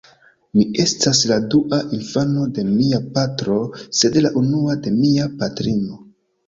Mi estas la dua infano de mia patro, sed la unua de mia patrino.